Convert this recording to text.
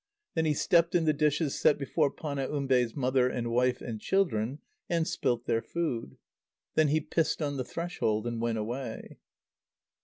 Then he stepped in the dishes set before Panaumbe's mother and wife and children, and spilt their food. Then he pissed on the threshold, and went away.